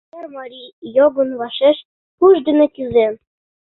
Эрмарий йогын вашеш пуш дене кӱзен.